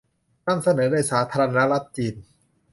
นำเสนอโดยสาธารณรัฐจีน